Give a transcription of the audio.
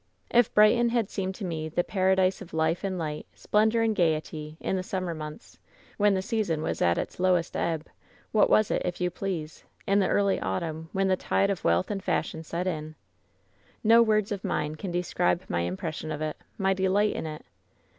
"If Brighton had seemed to me the paradise of life and light, splendor and gayety, in the summer months, when the season was at its lowest ebb, what was it, if 156 WHEN SHADOWS DIE you please, in the early autamn, when the tide of wealtk and fashion set in ? "No words of mine can describe my impression of it, my delight in it.